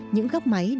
những góc máy đã đổ nát